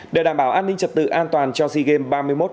để đảm bảo an ninh trật tự an toàn cho sea games ba mươi một